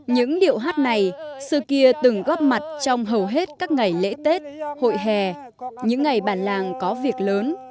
những điệu hát này xưa kia từng góp mặt trong hầu hết các ngày lễ tết hội hè những ngày bản làng có việc lớn